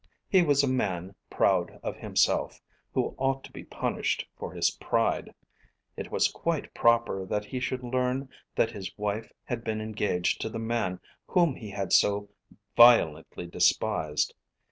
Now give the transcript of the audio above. He was a man proud of himself, who ought to be punished for his pride. It was quite proper that he should learn that his wife had been engaged to the man whom he had so violently despised.